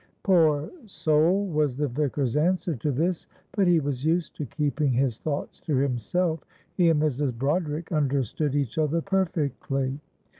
"Poor soul!" was the Vicar's answer to this; but he was used to keeping his thoughts to himself he and Mrs. Broderick understood each other perfectly.